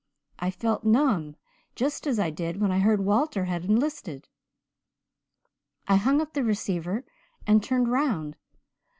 I felt numb, just as I did when I heard Walter had enlisted. I hung up the receiver and turned round.